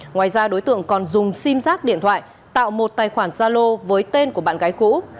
ngoài ra đối tượng còn dùng sim giác điện thoại tạo một tài khoản gia lô với tên của bạn gái cũ